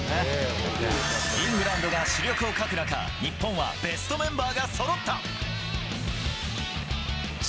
イングランドが主力を欠く中、日本はベストメンバーがそろった。